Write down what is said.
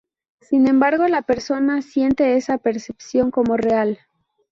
Sin embargo, la persona siente esa percepción como real.